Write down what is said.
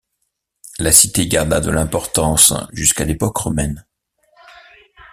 La cité garda de l'importance jusqu'à l'époque romaine.